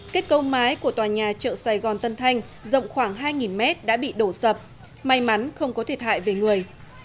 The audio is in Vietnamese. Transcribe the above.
kết cấu mái của tòa nhà chợ sài gòn tân thanh rộng khoảng hai mét đã bị đổ sập may mắn không có thiệt hại về người